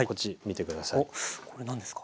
これ何ですか？